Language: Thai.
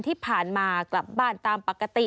ที่ผ่านมากลับบ้านตามปกติ